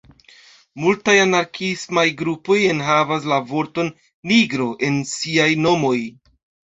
Multaj anarkiismaj grupoj enhavas la vorton "nigro" en siaj nomoj.